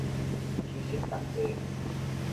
起性搦地